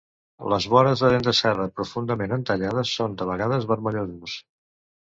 Les vores de dent de serra profundament entallades són de vegades vermellosos.